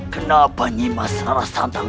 kenapa nyimah serara santang